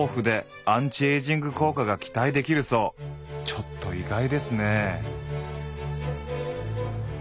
ちょっと意外ですね。